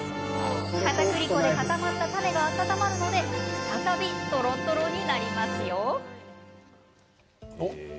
かたくり粉で固まったタネが温まるので再びとろとろになりますよ。